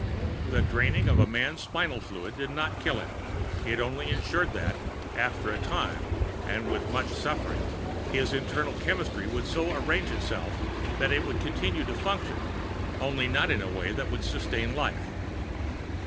The draining of a man's spinal fluid did not kill him. It only insured that, after a time and with much suffering, his internal chemistry would so arrange itself that it would continue to function, only not in a way that would sustain life.